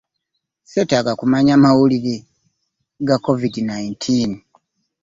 Seetaaga kumanya mawulire ga covid nineteen.